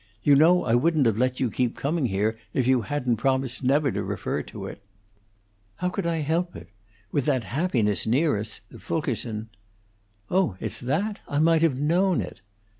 You know I wouldn't have let you keep coming here if you hadn't promised never to refer to it." "How could I help it? With that happiness near us Fulkerson " "Oh, it's that? I might have known it!"